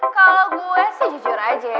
kalau gue sih jujur aja ya